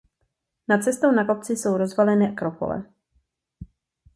Nad cestou na kopci jsou rozvaliny akropole.